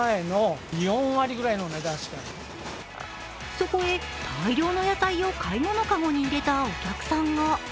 そこへ、大量の野菜を買い物かごに入れたお客さんが。